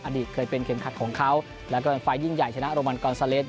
อดีตเคยเป็นเข็มขัดของเขาแล้วก็เป็นไฟล์ยิ่งใหญ่ชนะโรมันกอนซาเลส